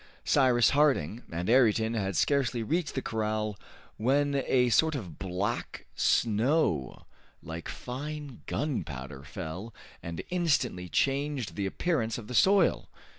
Cyrus Harding and Ayrton had scarcely reached the corral when a sort of black snow like fine gunpowder fell, and instantly changed the appearance of the soil.